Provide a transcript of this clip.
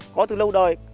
có từ lâu đời